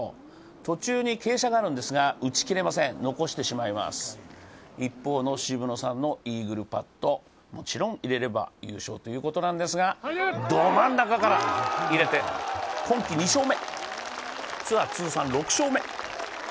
途中に傾斜があるんですが打ちきれません、残してしまいます、一方の渋野さんのイーグルパット、もちろん入れれば優勝ということなんですがど真ん中から入れて、今季２勝目。